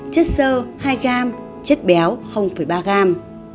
chất sơ hai gram chất béo ba gram